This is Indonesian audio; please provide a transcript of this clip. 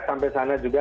sampai sana juga